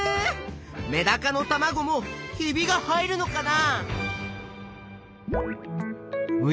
メダカのたまごもひびが入るのかな？